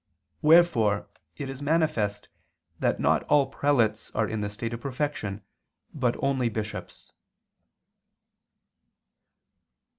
Wherefore it is manifest that not all prelates are in the state of perfection, but only bishops.